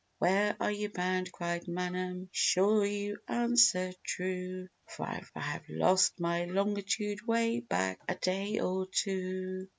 "Where are you bound," cried Manum, "Be sure you answer true, For I have lost my longitude Way back a day or two."